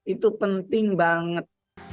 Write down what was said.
itu penting banget